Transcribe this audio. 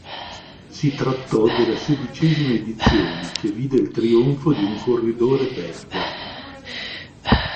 Si trattò della sedicesima edizione che vide il trionfo di un corridore belga.